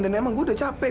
dan emang gue udah capek